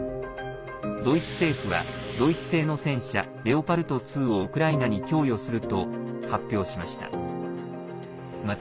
ドイツ政府はドイツ製の戦車レオパルト２をウクライナに供与すると発表しました。